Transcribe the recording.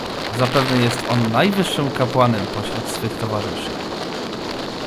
"Zapewne jest on najwyższym kapłanem pośród swych towarzyszy."